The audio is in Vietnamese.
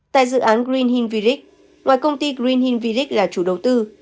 tại dự án green hill village ngoài công ty green hill village là chủ đầu tư